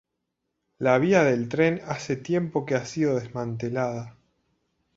La vía del tren hace tiempo que ha sido desmantelada.